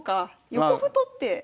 横歩取って。